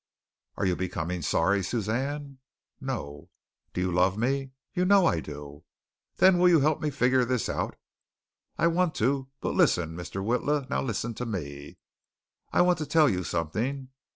"Are you becoming sorry, Suzanne?" "No." "Do you love me?" "You know I do." "Then you will help me figure this out?" "I want to. But listen, Mr. Witla, now listen to me. I want to tell you something."